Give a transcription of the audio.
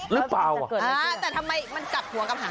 แต่ทำไมมันกลับหัวกลับหาว